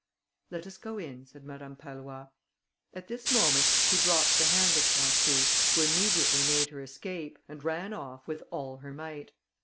"Let us go in," said Madame Pallois. At this moment she dropped the hand of Françou, who immediately made her escape, and ran off with all her might.